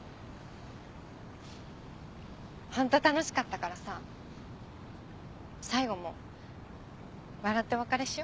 ホント楽しかったからさ最後も笑ってお別れしよ。